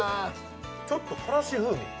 ちょっとからし風味